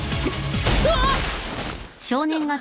うわっ！